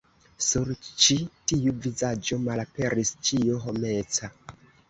Sur ĉi tiu vizaĝo malaperis ĉio homeca.